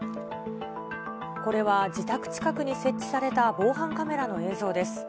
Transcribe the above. これは自宅近くに設置された防犯カメラの映像です。